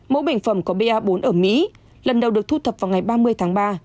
mẫu bệnh phẩm của ba bốn ở mỹ lần đầu được thu thập vào ngày ba mươi tháng ba